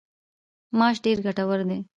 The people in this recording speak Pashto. ماش ډیر ګټور دي.